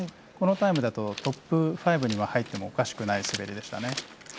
このタイムだとトップ５に入ってもおかしくない滑りでしたね。